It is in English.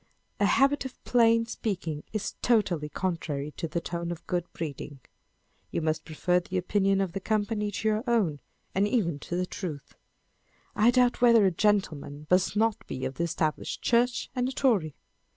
A habit of plain speaking is totally contrary to the tone of good breeding. You must prefer the opinion of the company to your own, and even to truth. I doubt whether a gentleman must not be of the Established Church, and a Tory.